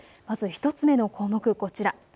まず１つ目の項目こちら。